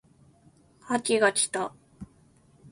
秋が来た